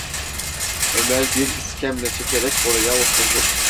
Ömer bir iskemle çekerek oraya oturdu: